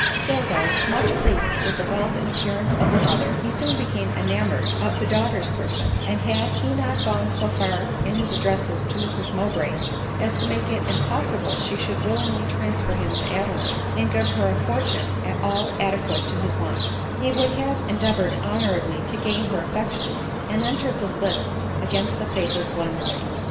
Still, though much pleased with the wealth and appear ance of the mother, he soon became enamoured of the daughter's person ; and had he not gone so far in his addresses to Mrs Mowbray as to make it impossible she should willingly transfer him to Adeline, and give her a fortune at all adequate to his wants, he would have en 33 ADELINE MOWBRAY deavored honorably to gain her affections, and entered the lists against the favored Glenmurray.